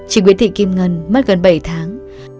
chị nguyễn thị kim ngân mất gần bảy tháng